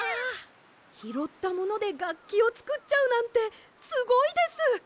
ひろったものでがっきをつくっちゃうなんてすごいです！